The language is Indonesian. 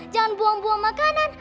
jangan buang buang makanan